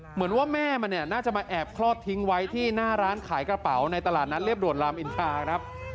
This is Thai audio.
เหมือนว่าแม่มันเนี่ยน่าจะมาแอบคลอดทิ้งไว้ที่หน้าร้านขายกระเป๋าในตลาดนัดเรียบด่วนรามอินทราครับ